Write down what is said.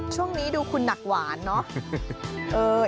ช่วงนี้ดูคุณหนักหวานเนอะ